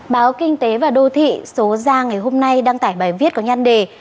báo kinh tế và đô thị số ra ngày hôm nay đăng tải bài viết có nhăn đề